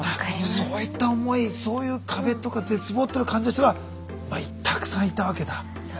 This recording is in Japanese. そういった思いそういう壁とか絶望っていうのを感じた人がたくさんいたわけだ。